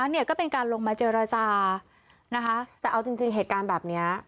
เนี่ยก็เป็นการลงมาเจรจานะคะแต่เอาจริงเหตุการณ์แบบนี้